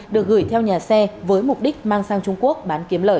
được gửi theo nhà xe với mục đích mang sang trung quốc bán kiếm lời